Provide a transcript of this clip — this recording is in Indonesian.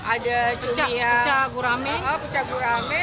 ada cumi yang pucat gurame